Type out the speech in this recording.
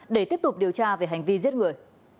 để tiếp tục điều tra về hành vi giết người